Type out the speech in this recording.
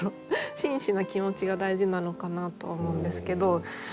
真摯な気持ちが大事なのかなとは思うんですけど。